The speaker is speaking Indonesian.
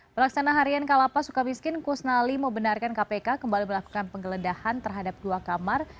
berlaksana harian ke lapas sukamiskin kusnali membenarkan kpk kembali melakukan penggeledahan terhadap dua kamar